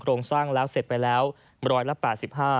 โรงสร้างแล้วเสร็จไปแล้วร้อยละ๘๕